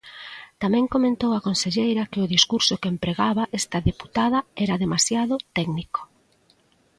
Tamén comentou a conselleira que o discurso que empregaba esta deputada era demasiado técnico.